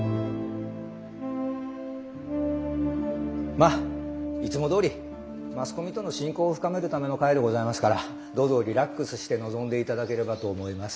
まいつもどおりマスコミとの親交を深めるための会でございますからどうぞリラックスして臨んでいただければと思います。